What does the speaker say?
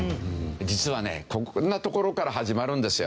実はねこんなところから始まるんですよ。